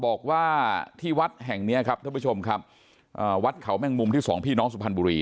บอกว่าก็ไม่คิดว่าแค่ไม่อยู่ที่วัดก็จะเกิดเหตุพระลูกวัดแพงกันจนมรณภาพแบบนี้